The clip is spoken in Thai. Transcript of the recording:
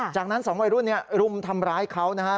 จากนั้น๒วัยรุ่นรุมทำร้ายเขานะครับ